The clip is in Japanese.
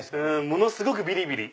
ものすごくビリビリ。